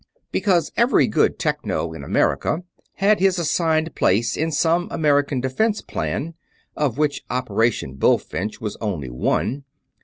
Because every good Techno in America had his assigned place in some American Defense Plan; of which Operation Bullfinch was only one.